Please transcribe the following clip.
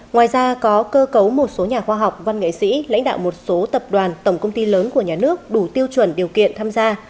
ngoài ra có cơ cấu một số nhà khoa học văn nghệ sĩ lãnh đạo một số tập đoàn tổng công ty lớn của nhà nước đủ tiêu chuẩn điều kiện tham gia